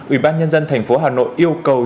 ủy ban nhân dân tp hà nội yêu cầu